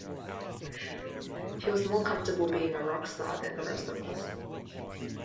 He was more comfortable being a rock star than the rest of us.